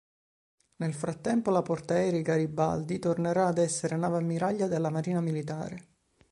Nel frattempo la portaerei "Garibaldi" tornerà ad essere nave ammiraglia della Marina Militare.